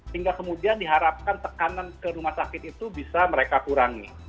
hingga kemudian diharapkan tekanan ke rumah sakit itu bisa mereka kurangi